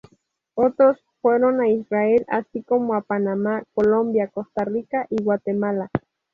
Otros fueron a Israel, así como a Panamá, Colombia, Costa Rica y Guatemala.